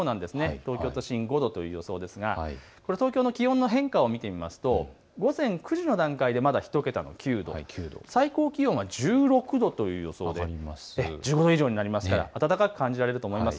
東京都心、おとといの予想ですが東京の気温の変化を見てみると午前９時の段階でまだ１桁の９度、最高気温は１６度という予想で暖かく感じられると思います。